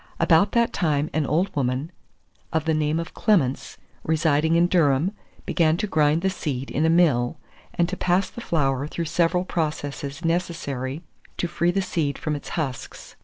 About that time an old woman, of the name of Clements, residing in Durham, began to grind the seed in a mill, and to pass the flour through several processes necessary to free the seed from its husks.